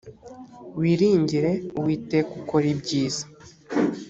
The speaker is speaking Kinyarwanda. wiringire uwiteka ukore ibyiza